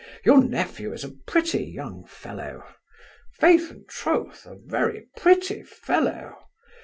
Your nephew is a pretty young fellow Faith and troth, a very pretty fellow!